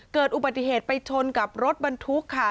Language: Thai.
เกิดอุบัติเหตุไปชนกับรถบรรทุกค่ะ